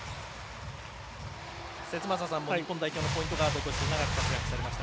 節政さんも日本代表のポイントガードとして長く活躍されました。